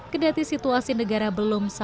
kedati situasi negara belum selesai